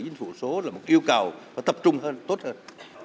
chính phủ số là một yêu cầu và tập trung hơn tốt hơn